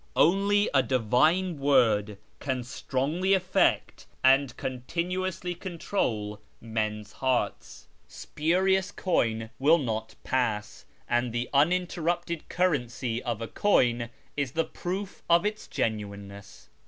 Only a Divine Word can strongly affect and continuously __ r 32S .•/ YEAR AMONGST THE PERSIANS control men's hearts : spurious coin will not pass, and the uninterrupted currency of a coin is the proof of its genuine ness.